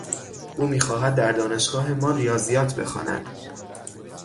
او میخواهد در دانشگاه ما ریاضیات بخواند.